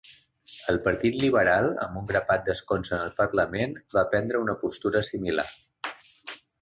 El Partit Liberal, amb un grapat d'escons en el parlament, va prendre una postura similar.